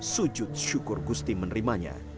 sujud syukur gusti menerimanya